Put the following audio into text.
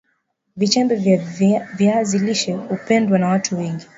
Vichembe vya viazi lishe hupendwa na watu wengi